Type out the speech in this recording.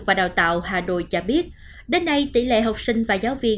và đào tạo hà nội cho biết đến nay tỷ lệ học sinh và giáo viên